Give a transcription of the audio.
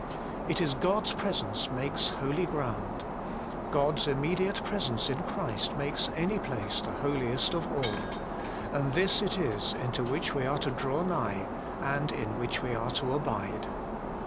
It is God's Presence makes holy ground ; God's im mediate Presence in Christ makes any place the Holiest of all : and this is it into which we are to draw nigh, and in which we are to abide.